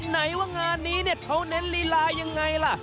ไหนว่างานนี้เนี่ยเขาเน้นลีลายังไงล่ะ